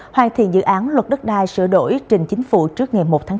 hoàn thiện dự án luật đất đai sửa đổi trình chính phủ trước ngày một tháng bốn